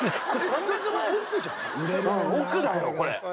億だよこれ。